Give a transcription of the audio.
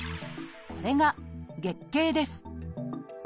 これが「月経」です。